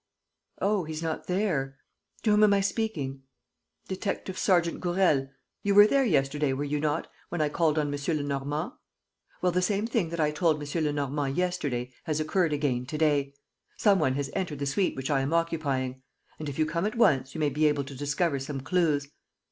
... Oh, he's not there? ... To whom am I speaking? ... Detective sergeant Gourel? ... You were there yesterday, were you not, when I called on M. Lenormand? Well, the same thing that I told M. Lenormand yesterday has occurred again to day. ... Some one has entered the suite which I am occupying. And, if you come at once, you may be able to discover some clues.